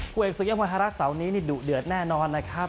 ผู้เอกศึกยอดมวยทรรศรนนี้เนี่ยดุเดือดแน่นอนนะครับ